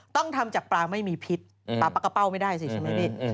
ต้องทำจากปลาไม่มีพิษปลาปลากระเป้าไม่ได้สิใช่ไหมพี่